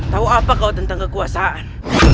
tahu apa kau tentang kekuasaan